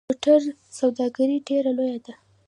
د موټرو سوداګري ډیره لویه ده